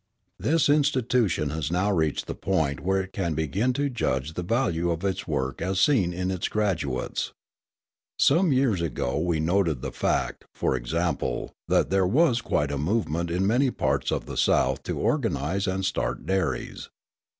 This institution has now reached the point where it can begin to judge of the value of its work as seen in its graduates. Some years ago we noted the fact, for example, that there was quite a movement in many parts of the South to organise and start dairies.